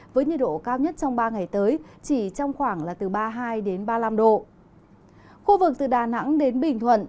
với nhiệt độ cao nhất trong ba ngày tới chỉ trong khoảng là từ ba hôm